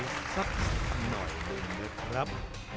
สักหน่อยครับ